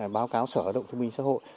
báo cáo sở hợp động thông minh xã hội